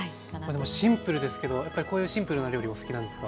シンプルですけどやっぱりこういうシンプルな料理お好きなんですか？